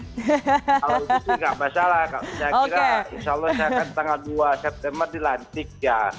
kalau begitu nggak masalah kalau saya kira insya allah saya akan tanggal dua september dilantik ya